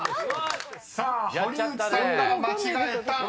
［さあ堀内さんが間違えたおたま］